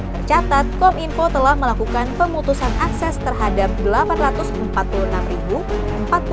percatat kominfo telah melakukan pemutusan akses terhadap delapan ratus empat puluh enam empat ratus empat puluh dua juta rupiah